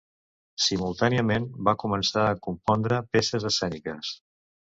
Simultàniament, va començar a compondre peces escèniques.